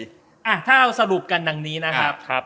ถ้าเราสรุปกันดังนี้นะครับ